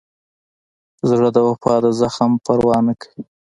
زړه د وفا د زخم پروا نه کوي.